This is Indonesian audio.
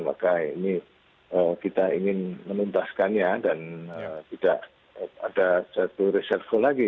maka ini kita ingin menuntaskannya dan tidak ada satu reservo lagi